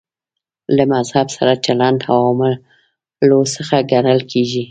له مذهب سره چلند عواملو څخه ګڼل کېږي.